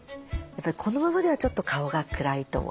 このままではちょっと顔が暗いと思います。